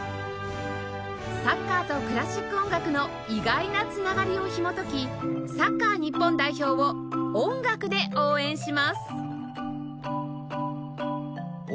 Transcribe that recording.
サッカーとクラシック音楽の意外な繋がりをひもときサッカー日本代表を音楽で応援します！